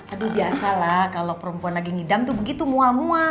aduh biasa lah kalau perempuan lagi ngidam tuh begitu mual mual